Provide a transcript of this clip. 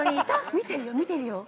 ◆見てるよ、見てるよ。